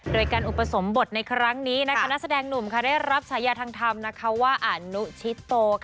โดยการอุปสมบทในครั้งนี้นะคะนักแสดงหนุ่มค่ะได้รับสายาทางธรรมนะคะว่าอานุชิโตค่ะ